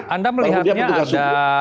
anda melihatnya ada